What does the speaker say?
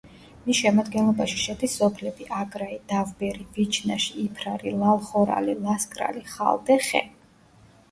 მის შემადგენლობაში შედის სოფლები: აგრაი, დავბერი, ვიჩნაში, იფრარი, ლალხორალი, ლასკრალი, ხალდე, ხე.